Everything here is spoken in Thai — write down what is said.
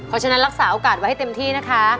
เพราะฉะนั้นรักษาโอกาสไว้ให้เต็มที่นะคะ